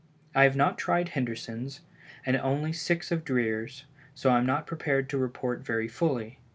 I have not tried Henderson's, and only six of Dreer's, so I am not prepared to report very fully.